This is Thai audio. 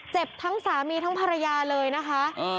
เจ็บทั้งสามีทั้งภรรยาเลยนะคะ